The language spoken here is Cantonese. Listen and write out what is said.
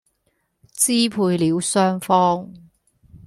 支配了雙方